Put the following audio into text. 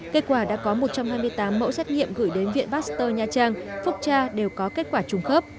kết quả đã có một trăm hai mươi tám mẫu xét nghiệm gửi đến viện pasteur nha trang phúc tra đều có kết quả trùng khớp